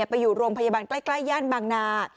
ไปอยู่โรงพยาบาลใกล้ย่านบางนา